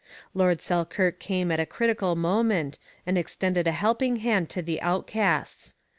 Lord Selkirk came at a critical moment and extended a helping hand to the outcasts.